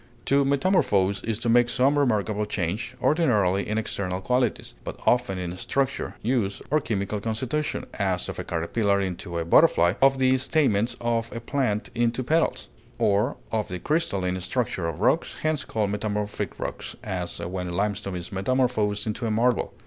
To metamorphose is to make some remarkable change, ordinarily in external qualities, but often in structure, use, or chemical constitution, as of a caterpillar into a butterfly, of the stamens of a plant into petals, or of the crystalline structure of rocks, hence called "metamorphic rocks," as when a limestone is metamorphosed into a marble.